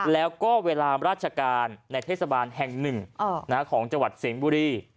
แล้วก็เวลาราชการในเทศบาลแห่งหนึ่งของจังหวัดสิงห์บุรี